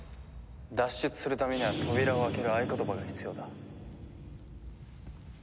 脱出するためには扉を開ける合言葉が必要だ。